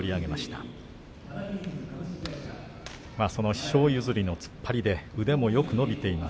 師匠譲りの突っ張りで腕もよく伸びています。